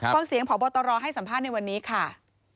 ฟังเสียงผอบตรให้สัมภาษณ์ในวันนี้ค่ะ